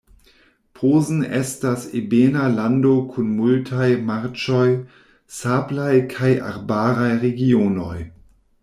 Posen estas ebena lando kun multaj marĉoj, sablaj kaj arbaraj regionoj.